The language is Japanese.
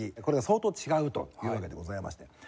これが相当違うというわけでございまして。